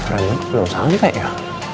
rangit belum sampai ya